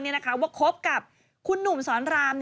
ว่าคบกับคุณหนุ่มสอนราม